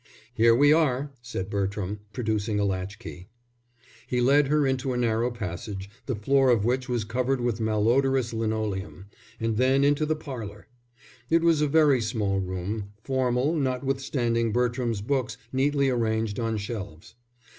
"Here we are," said Bertram, producing a latchkey. He led her into a narrow passage, the floor of which was covered with malodorous linoleum, and then into the parlour. It was a very small room, formal, notwithstanding Bertram's books neatly arranged on shelves.